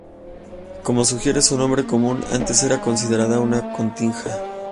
Como sugiere su nombre común, antes era considerado una cotinga.